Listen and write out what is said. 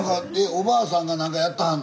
おばあさんが何かやってはんの？